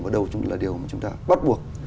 và đầu chung là điều mà chúng ta bắt buộc